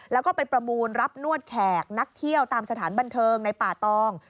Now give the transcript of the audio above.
แล้วก็ไปประมูลรับนวดแขกนักเที่ยวตามสถานบันเทิงในป่าตอง